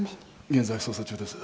現在捜査中です。